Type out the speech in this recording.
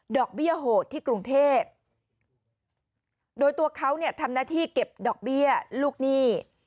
เบี้ยโหดที่กรุงเทพโดยตัวเขาเนี่ยทำหน้าที่เก็บดอกเบี้ยลูกหนี้